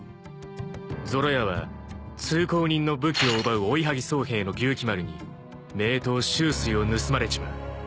［ゾロ屋は通行人の武器を奪うおいはぎ僧兵の牛鬼丸に名刀秋水を盗まれちまう。